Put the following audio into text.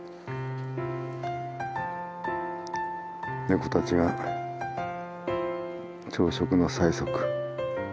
猫たちが朝食の催促。